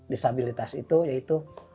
disabilitas itu yaitu